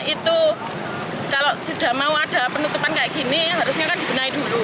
itu kalau tidak mau ada penutupan kayak gini harusnya kan dibenahi dulu